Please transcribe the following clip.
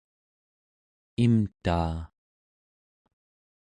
imtaa